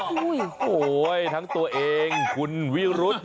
โอ้โหทั้งตัวเองคุณวิรุธ